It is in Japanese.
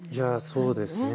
そうですね。